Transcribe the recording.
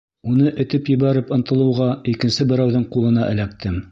Уны этеп ебәреп ынтылыуға икенсе берәүҙең ҡулына эләктем.